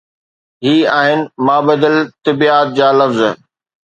هي آهن مابعد الطبعيات جا لفظ.